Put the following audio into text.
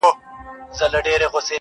o په خوښۍ کي به مي ستا د ياد ډېوه وي.